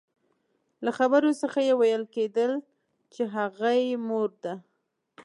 له خبرو څخه يې ويل کېدل چې هغې مور ده.